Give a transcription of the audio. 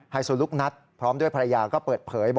โซลุกนัทพร้อมด้วยภรรยาก็เปิดเผย